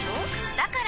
だから！